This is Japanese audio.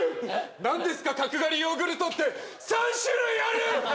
何ですか角刈りヨーグルトって３種類ある！